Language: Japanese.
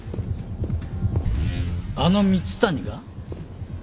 あの蜜谷が？